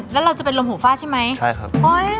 แล้วเราจะเป็นลมหูฟ้าใช่ไหมใช่ครับ